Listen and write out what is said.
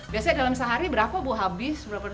biasanya dalam sehari berapa bu habis berapa